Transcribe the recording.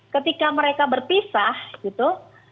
ketika mereka berpisah gitu